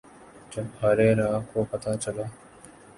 جب ارے راہ کو پتہ چلا